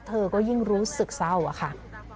เธอก็ยิ่งรู้สึกเศร้าอะค่ะ